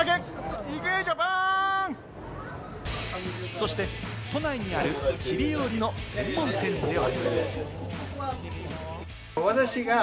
そして都内にあるチリ料理の専門店では。